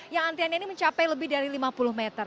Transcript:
yang antriannya ini mencapai lebih dari lima puluh meter